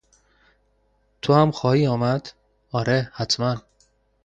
تو هم خواهی آمد؟ آره، حتما!